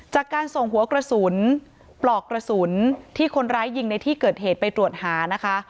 จากการส่งหัวกระสุนปลอกกระสุนที่คนร้ายยิงในที่เกิดเหตุไปตรวจหานะคะ